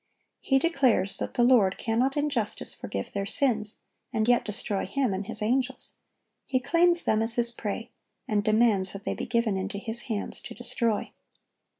He declares that the Lord cannot in justice forgive their sins, and yet destroy him and his angels. He claims them as his prey, and demands that they be given into his hands to destroy.